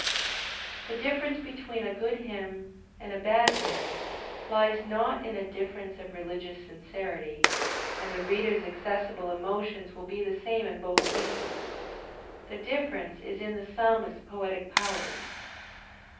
The difference between a good hymn and a bad hymn lies not in a difference of religious sincerity, and the reader's accessible emotions will be the same in both cases; the difference is in the psalmists' poetic powers.